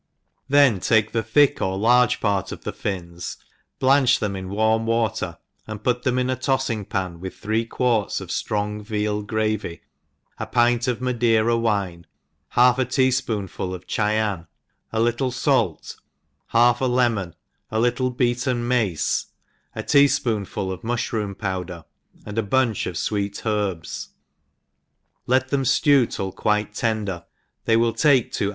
Then take the thick or large part of the fins, blanch them in warm water, and put them in a tofling pan, with three quarts of ftrong veal gravy, a pint of Madeira wine, half a tea Ipoonful of Chyan, a little fait, half a lemon, a little beaten piace, a tea fpoonful of mufli* room powder, and a bunch of fweet herbs > let them itew till quite tender, they will take two hour^ fii^GLISH HOUSE KEEPEll.